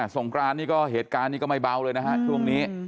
สงกรานนี่ก็เหตุการณ์ไม่เบาเลยนะครับช่วงนี้